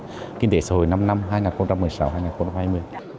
nhưng để rồi năm năm hai nghìn một mươi sáu năm hai nghìn hai mươi